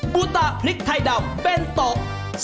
๑บุตตาพริกไทยดำเป็นตก